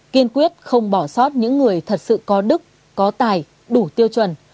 kiên quyết không bỏ sót những người thật sự có đức có tài đủ tiêu chuẩn